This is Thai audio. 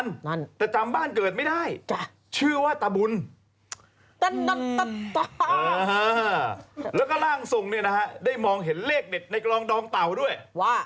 และก็ล่างทรงได้มองเห็นเลขเด็ดในกลองดองเต่า